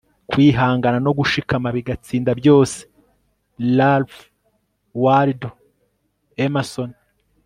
kwihangana no gushikama bigatsinda byose. - ralph waldo emerson